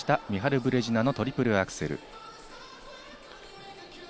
ミハル・ブレジナのトリプルアクセル。